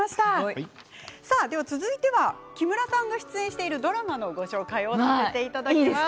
続いては木村さんが出演しているドラマのご紹介をさせていただきます。